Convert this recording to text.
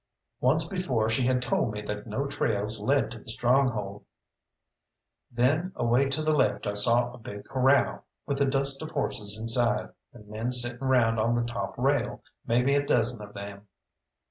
Once before she had told me that no trails led to the stronghold. Then away to the left I saw a big corral, with a dust of horses inside, and men sitting round on the top rail, maybe a dozen of them.